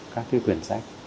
các thư quyển sách